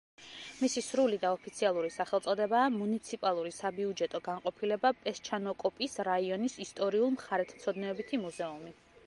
მისი სრული და ოფიციალური სახელწოდებაა „მუნიციპალური საბიუჯეტო განყოფილება პესჩანოკოპის რაიონის ისტორიულ-მხარეთმცოდნეობითი მუზეუმი“.